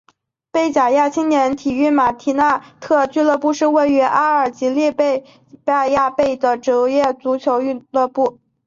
贝贾亚青年体育马迪纳特俱乐部是位于阿尔及利亚贝贾亚的职业足球俱乐部。